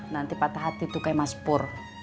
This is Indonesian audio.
nanti patah hati tuh kayak mas pur